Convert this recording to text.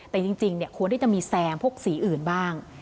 แต่จริงควรที่จะมีแซงพวกสีอื่นบ้าง